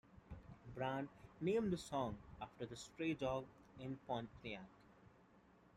The band named the song after a stray dog in Pontiac.